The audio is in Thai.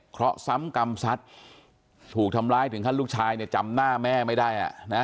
เพราะซ้ำกรรมสัตว์ถูกทำร้ายถึงขั้นลูกชายเนี่ยจำหน้าแม่ไม่ได้